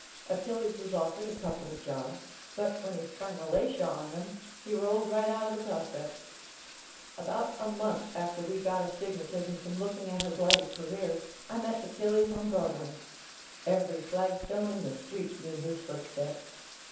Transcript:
Achilles was offered a couple of jobs but when he sprang Alatia on them, he rolled right out of the prospects. About a month after we got astigmatism from looking at "Her Blighted Career" I met Achilles on Broadway. Every flag stone in the street knew his footsteps.